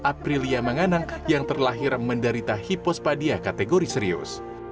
aprilia manganang yang terlahir menderita hipospadia kategori serius